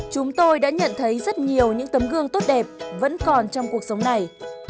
chúng tôi đã nhận thấy rất nhiều những tấm gương tốt đẹp vẫn còn trong cuộc sống này